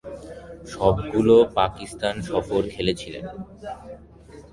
সবগুলো খেলাই পাকিস্তান সফরে খেলেছিলেন।